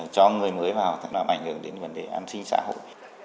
cho người mới và có thể làm ảnh hưởng đến vấn đề an sinh xã hội